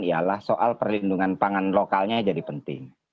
ialah soal perlindungan pangan lokalnya jadi penting